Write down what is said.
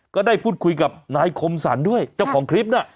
ก็ได้พูดคุยกับนายคมสรรด้วยเจ้าของคลิปน่ะ